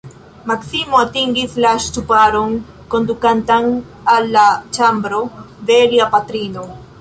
Maksimo atingis la ŝtuparon, kondukantan al la ĉambro de lia patrino.